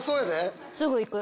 すぐ行く。